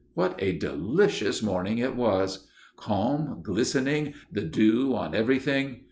What a delicious morning it was! Calm, glistening, the dew on everything.